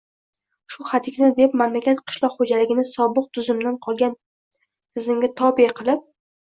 Shu hadikni deb mamlakat qishloq xo‘jaligini sobiq tuzumdan qolgan tizimga tobe qilib